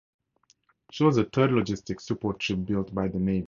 She was the third logistic support ship built by the Navy.